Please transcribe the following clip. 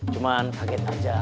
cuman kaget aja